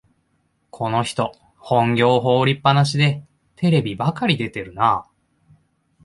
この人、本業を放りっぱなしでテレビばかり出てるな